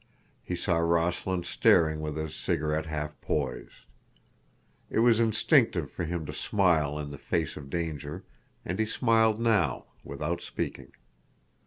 He saw Rossland staring with his cigarette half poised. It was instinctive for him to smile in the face of danger, and he smiled now, without speaking.